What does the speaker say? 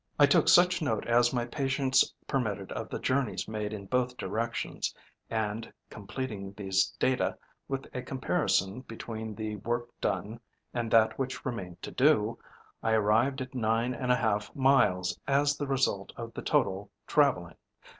I took such note as my patience permitted of the journeys made in both directions; and, completing these data with a comparison between the work done and that which remained to do, I arrived at nine and a half miles as the result of the total travelling.